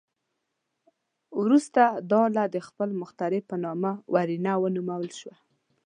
وروسته دا آله د خپل مخترع په نامه ورنیه ونومول شوه.